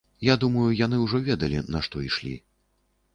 Я думаю, яны ўжо ведалі, на што ішлі.